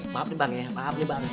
maaf nih bang maaf banget